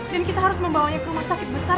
dan kita harus membawanya ke rumah sakit besar